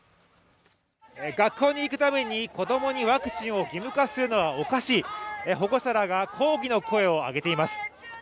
学校に行くために子供にワクチンを義務化するのはおかしい、保護者らが抗議の声を上げています。